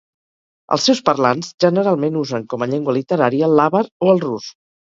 Els seus parlants generalment usen com a llengua literària l'àvar o el rus.